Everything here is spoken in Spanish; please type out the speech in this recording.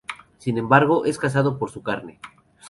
Sin embargo, es cazado por su carne.